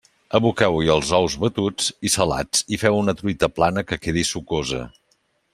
Aboqueu-hi els ous batuts i salats i feu una truita plana que quedi sucosa.